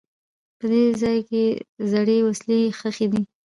په دې ځای کې زړې وسلې ښخي دي.